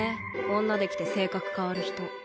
女できて性格変わる人。